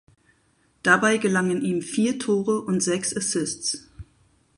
Dabei gelangen ihm vier Tore und sechs Assists.